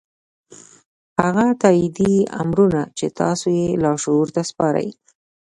هغه تايیدي امرونه چې تاسې یې لاشعور ته سپارئ